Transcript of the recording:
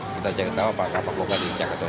kita jangan tahu apakah pak poko di jakarta